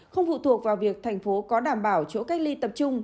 không phụ thuộc vào việc thành phố có đảm bảo chỗ cách ly tập trung